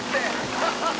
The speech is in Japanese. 「アハハハ！」